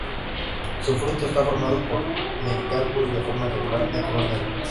Su fruto está formado por mericarpos de forma irregular de color negro.